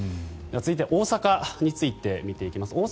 続いて大阪について見ていきます。